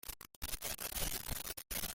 How did he look?